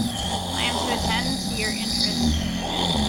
I am to attend to your interests.